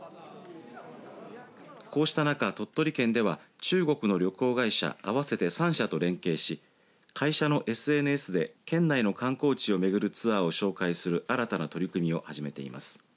こうした中、鳥取県では中国の旅行会社合わせて３社と連携し会社のＳＮＳで県内の観光地を巡るツアーを紹介する新たな取り組みを始めています。